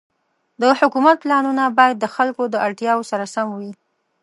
د حکومت پلانونه باید د خلکو د اړتیاوو سره سم وي.